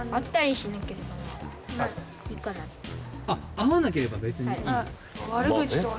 会わなければ別にいい？